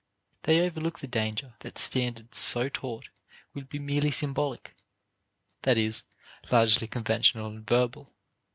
They overlook the danger that standards so taught will be merely symbolic; that is, largely conventional and verbal.